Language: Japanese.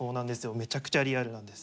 めちゃくちゃリアルなんです。